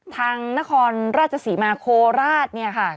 ทางนครราชสีมาโคราช